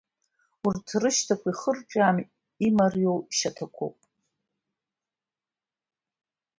Урҭ рышьаҭақәа ихырҿиаам, имариоу шьаҭақәоуп…